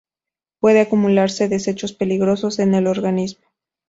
Pueden acumularse desechos peligrosos en el organismo.